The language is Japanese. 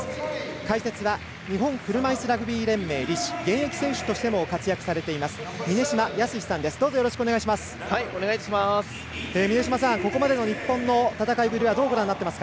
解説は日本車いすラグビー連盟理事現役選手としても活躍されています峰島靖さんです。